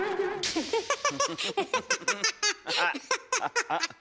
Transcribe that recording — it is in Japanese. ウハハハハ。